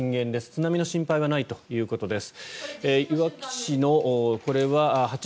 津波の心配はないということです。